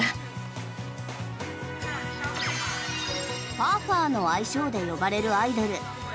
ファーファーの愛称で呼ばれるアイドル。